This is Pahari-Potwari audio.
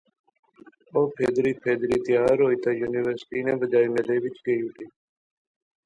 او پھیدری پھیدری تیار ہوئی تہ یونیورسٹی نے بجائے میلے وچ گئی اٹھی